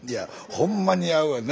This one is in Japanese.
ほんま似合うよな。